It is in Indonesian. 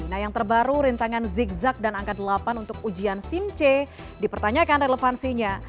nah yang terbaru rintangan zigzag dan angka delapan untuk ujian sim c dipertanyakan relevansinya